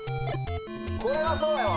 これはそうやわ。